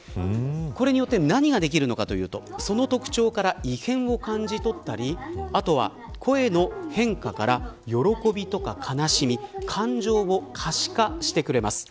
これによって何ができるのかというとその特徴から異変を感じとったり、あとは声の変化から喜びとか悲しみ、感情を可視化してくれます。